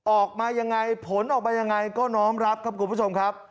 ออกมายังไงผลออกมายังไงก็น้อมรับครับคุณผู้ชมครับ